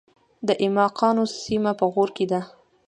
د ایماقانو سیمې په غور کې دي